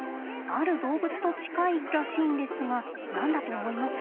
ある動物と近いらしいんですが何だと思います？